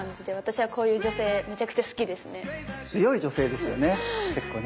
強い女性ですよね結構ね。